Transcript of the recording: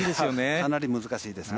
かなり難しいですね。